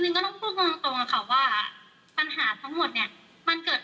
เดี๋ยวแกก็จะตักบ้านไปเองเพราะว่าแกจะไม่ใช่คนที่ออกมาทำงานเช้าอ่ะค่ะ